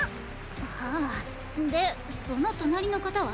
はあでその隣の方は？